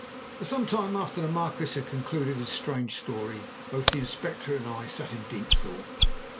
For some time after the Marquis had concluded his strange story both the Inspector and I sat in deep thought.